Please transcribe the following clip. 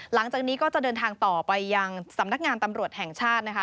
หลังจากนี้ก็จะเดินทางต่อไปยังสำนักงานตำรวจแห่งชาตินะคะ